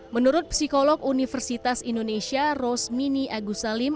menurut psikolog universitas indonesia rosmini agusalim